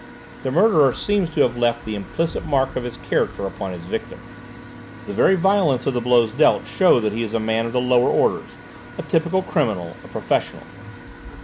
The murderer seems to have left the implicit mark of his character upon his victim; the very violence of the blows dealt shows that he is a man of the lower orders, a typical criminal, a professional."